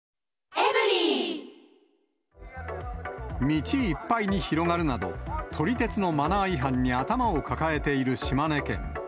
道いっぱいに広がるなど、撮り鉄のマナー違反に頭を抱えている島根県。